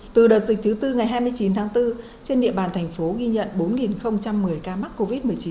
từ đợt dịch thứ tư ngày hai mươi chín tháng bốn trên địa bàn thành phố ghi nhận bốn một mươi ca mắc covid một mươi chín